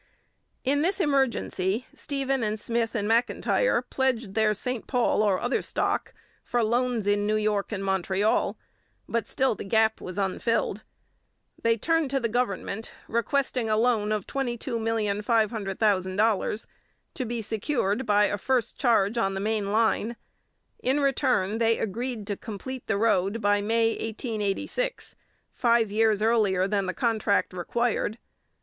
In this emergency Stephen and Smith and M'Intyre pledged their St Paul or other stock for loans in New York and Montreal, but still the gap was unfilled. They turned to the government, requesting a loan of $22,500,000, to be secured by a first charge on the main line. In return, they agreed to complete the road by May 1886, five years earlier than the contract required.